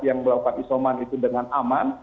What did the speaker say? yang melakukan isoman itu dengan aman